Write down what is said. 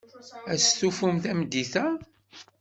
Ad stufun tameddit-a?